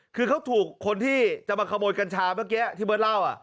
คือเขาถูกคนที่จะมาขโมยกัญชาเมื่อกี้ที่เบิร์ตเล่า